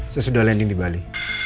saya sudah landing di bali